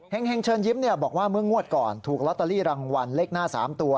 แห่งเชิญยิ้มบอกว่าเมื่องวดก่อนถูกลอตเตอรี่รางวัลเลขหน้า๓ตัว